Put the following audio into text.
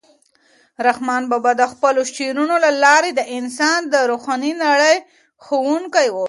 رحمان بابا د خپلو شعرونو له لارې د انسان د روحاني نړۍ ښوونکی و.